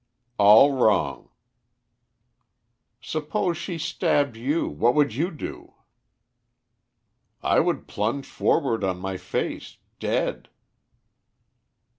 "All wrong." "Suppose she stabbed you, what would you do?" "I would plunge forward on my face dead."